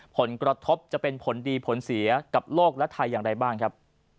ผลกระทบจะเป็นผลดีผลเสียกับโลกและไทยอย่างไรบ้างครับ